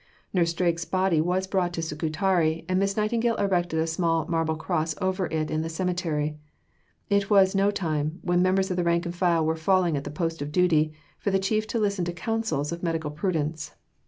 Nurse Drake's body was brought to Scutari, and Miss Nightingale erected a small marble cross over it in the cemetery. It was no time, when members of the rank and file were falling at the post of duty, for the chief to listen to counsels of medical prudence.